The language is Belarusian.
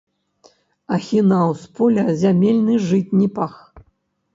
Ахінаў з поля зямельны жытні пах.